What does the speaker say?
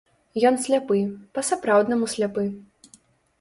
Ён сляпы, па-сапраўднаму сляпы.